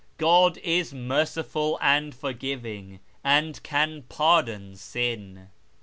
God is merciful and forgiving, and can pardon sin."